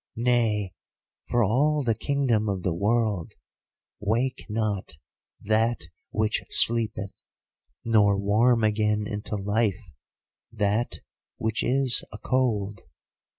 Nay, for all the kingdom of the world, wake not That which sleepeth, nor warm again into life That which is a cold.